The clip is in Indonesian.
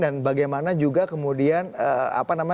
dan bagaimana juga kemudian